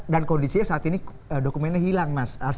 dan kondisinya saat ini dokumennya hilang mas